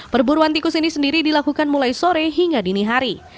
perburuan tikus ini sendiri dilakukan mulai sore hingga dini hari